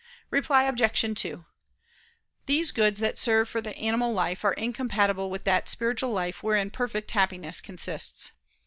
Reply Obj. 2: These goods that serve for the animal life, are incompatible with that spiritual life wherein perfect Happiness consists.